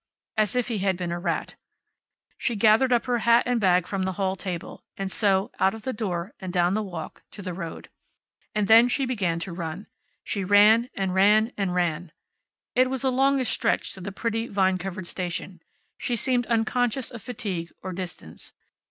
as if he had been a rat. She gathered up her hat and bag from the hall table, and so, out of the door, and down the walk, to the road. And then she began to run. She ran, and ran, and ran. It was a longish stretch to the pretty, vine covered station. She seemed unconscious of fatigue, or distance.